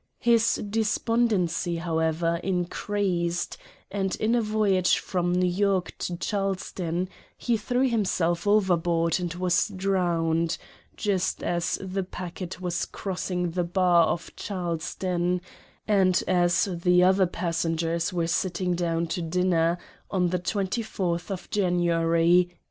His despondency, however, increased ; and in a voyage from New York to Charleston, he threw himself overboard and was drowned, just as the packet was crossing the bar of Charleston, and as the other passengers were sitting down to dinner, on the 24th January, 1828.